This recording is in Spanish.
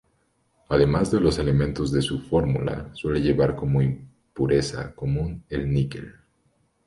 Además de los elementos de su fórmula, suele llevar como impureza común el níquel.